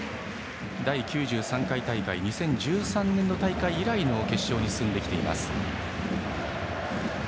第９３回大会２０１３年の大会以来の決勝に進んできています。